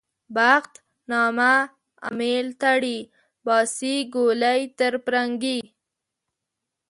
بخت نامه امېل تړي - باسي ګولۍ تر پرنګي